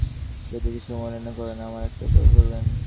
যদি কিছু মনে না করেন আমার একটা উপকার করবেন।